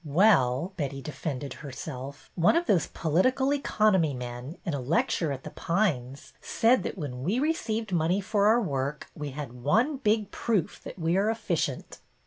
"Well," Betty defended herself, "one of those political economy men, in a lecture at The Pines, said that when we received money for our work we had one big proof that we are efficient."